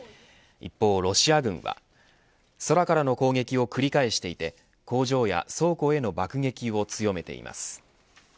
一方、ロシア軍は空からの攻撃を繰り返していて工場や倉庫への爆撃を強めています。